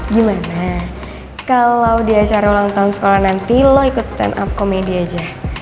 gimana kalau di acara ulang tahun sekolah nanti lo ikut stand up komedi aja